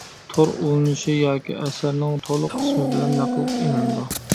تور ئۇلىنىشى ياكى ئەسەرنىڭ تولۇق ئىسمى بىلەن نەقىل ئېلىنىدۇ.